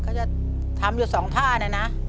เขาจะทำอยู่สองท่านะนะนะ